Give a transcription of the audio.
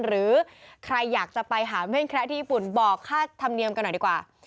หรือใครอยากจะไปหาแม่งแคระที่ญี่ปุ่นบอกค่าธรรมเนียมกันหน่อยดีกว่า